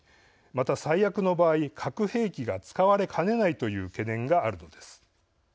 また、最悪の場合核兵器が使われかねないという懸念があるのです。